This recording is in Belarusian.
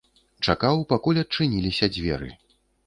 Чакаў, пакуль адчыніліся дзверы.